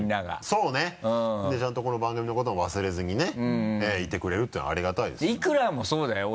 そうねでちゃんとこの番組のことも忘れずにねいてくれるっていうのはありがたいですよ。